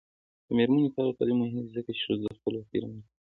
د میرمنو کار او تعلیم مهم دی ځکه چې ښځو خپلواکي رامنځته کوي.